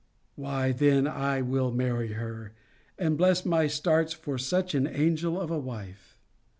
Why then I will marry her; and bless my starts for such an angel of a wife.